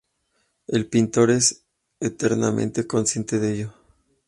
El pintor es enteramente consciente de ello.